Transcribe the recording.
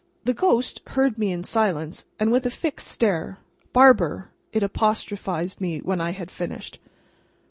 The ghost heard me in silence, and with a fixed stare. "Barber!" it apostrophised me when I had finished.